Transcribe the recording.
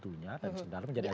tentunya dan sedalam jadi aduan